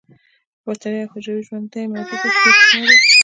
باکتریا یو حجروي ژوندی موجود دی چې ډیر کوچنی دی